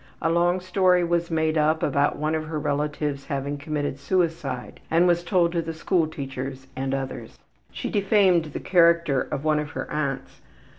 A long story was made up about one of her relatives having committed suicide and was told to the school teachers and others. She defamed the character of one of her aunts.